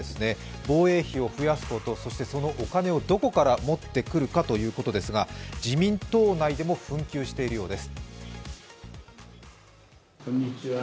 防衛費を増やすこと、そしてそのお金をどこから持ってくるか、自民党内でも紛糾しているようです。